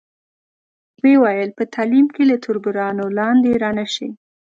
ویل یې په تعلیم کې له تربورانو لاندې را نشئ.